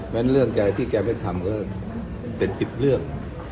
แม้เรื่องที่แกไม่ทำก็เป็นสิบเรื่อง